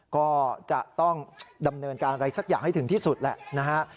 ก็จะต้องดำเนินการอะไรสักอย่างให้ถึงที่สุดแหละนะฮะ